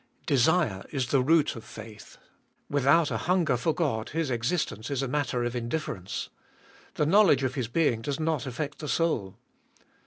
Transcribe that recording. Desire is the root of faith ; without a hunger for God His existence is a matter of indifference ; the knowledge of His being does not affect the soul.